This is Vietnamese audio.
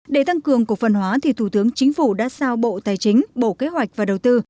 để tăng cường cổ phần hóa thì thủ tướng chính phủ đã sao bộ tài chính bộ kế hoạch và đầu tư